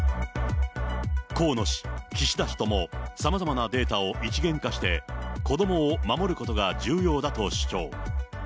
河野氏、岸田氏ともさまざまなデータを一元化して子どもを守ることが重要だと主張。